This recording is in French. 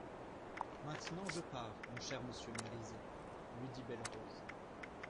Maintenant je pars, mon cher monsieur Mériset, lui dit Belle-Rose.